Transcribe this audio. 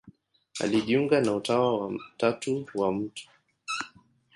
Alijiunga na Utawa wa Tatu wa Mt.